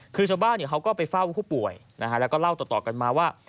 คือชาวบ้านเขาก็ไปเฝ้าผู้ป่วยนะฮะแล้วก็เล่าต่อกันมาว่า